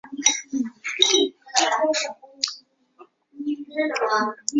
及后约克镇号参与了海军最后两次的舰队解难演习。